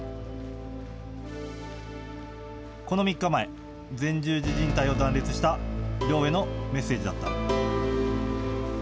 この３日前、前十字じん帯を断裂した亮へのメッセージだった。